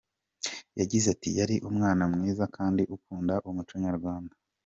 Yagize ati “Yari umwana mwiza kandi ukunda umuco nyarwanda.